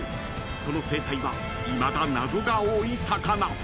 ［その生態はいまだ謎が多い魚］